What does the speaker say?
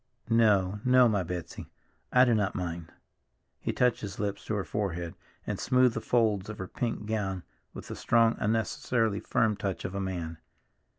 "No. No, my Betsy, I do not mind." He touched his lips to her forehead, and smoothed the folds of her pink gown with the strong, unnecessarily firm touch of a man.